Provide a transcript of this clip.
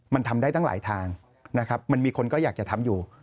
มันทำได้ตั้งหลายทางนะครับมันมีคนก็อยากจะทำอยู่